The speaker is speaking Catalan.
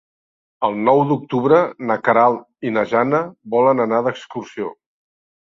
El nou d'octubre na Queralt i na Jana volen anar d'excursió.